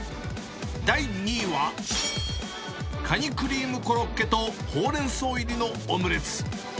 第２位は、カニクリームコロッケとホウレンソウいりのオムレツ。